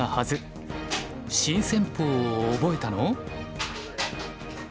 新戦法を覚えたの？